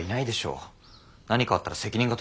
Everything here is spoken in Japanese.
何かあったら責任が取れない。